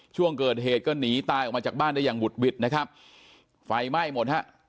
ช่วงเกิดเหตุก็หนีตายออกมาจากบ้านได้อย่างบุดหวิดนะครับไฟไหม้หมดฮะ